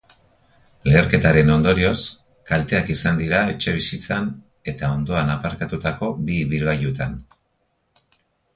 Leherketaren ondorioz, kalteak izan dira etxebizitzan eta ondoan aparkatutako bi ibilgailutan.